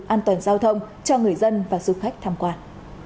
an toàn giao thông cho người dân và du khách tham quan